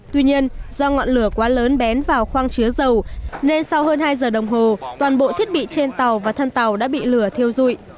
tuy nhiên do ngọn lửa quá lớn bén vào khoang chứa dầu nên sau hơn hai giờ đồng hồ toàn bộ thiết bị trên tàu và thân tàu đã bị lửa thiêu dụi